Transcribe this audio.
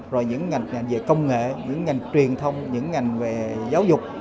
rồi những ngành về công nghệ những ngành truyền thông những ngành về giáo dục